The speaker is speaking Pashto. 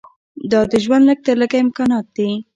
دا د ژوند لږ تر لږه امکانات دي.